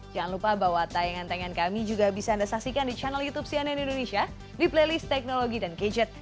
jangan lupa bahwa tayangan tayangan kami juga bisa anda saksikan di channel youtube cnn indonesia di playlist teknologi dan gadget